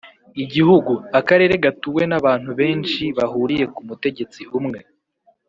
igihugu: akarere gatuwe n’abantu benshi cyane bahuriye ku mutegetsi umwe